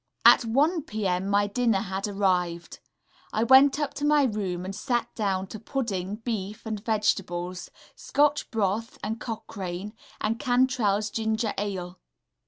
At 1 0 p.m. my dinner had arrived. I went up to my room, and sat down to pudding, beef, and vegetables, Scotch broth, and Cochrane & Cantrell's ginger ale.